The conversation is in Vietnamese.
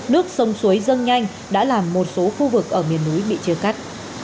nước sông suối dâng nhanh đã làm một số khu vực ở miền núi bị chia cắt